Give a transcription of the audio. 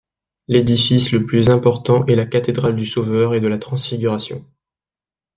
L'édifice le plus important est la cathédrale du Sauveur-et-de-la-Transfiguration.